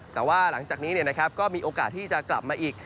แต่ว่าหลังจากนี้ก็มีโอกาสที่จะกลับมาอีก